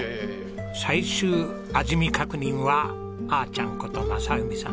最終味見確認はあーちゃんこと正文さんです。